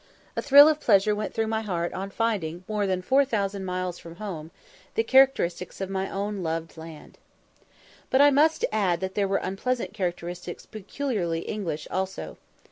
A thrill of pleasure went through my heart on finding, more than 4000 miles from home, the characteristics of my own loved land. But I must add that there were unpleasant characteristics peculiarly English also.